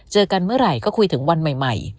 เจอกันเมื่อไหร่ก็คุยถึงวันใหม่